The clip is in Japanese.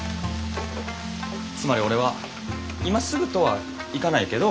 つまり俺は今すぐとはいかないけど。